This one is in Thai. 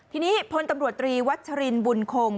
ทีนี้พลตำรวจตรีวัชรินบุญคง